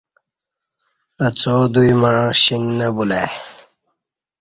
اہ څا دوی مع شیݣ نہ بُلہ ای